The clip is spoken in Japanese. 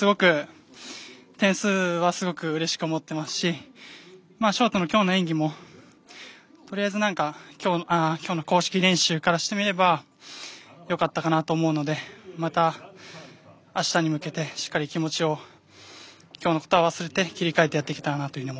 点数はすごくうれしく思っていますしショートの今日の演技も今日の公式練習からしてみればよかったかなと思うのでまたあしたに向けてしっかり気持ちを今日のことは忘れて切り替えてやっていきたいです。